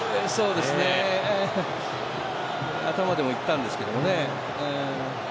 頭でもいったんですけどね。